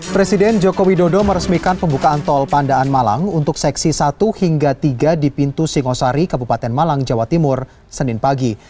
presiden joko widodo meresmikan pembukaan tol pandaan malang untuk seksi satu hingga tiga di pintu singosari kabupaten malang jawa timur senin pagi